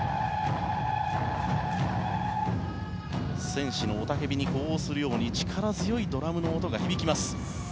戦士の雄たけびに呼応するように力強いドラムの音が響きます。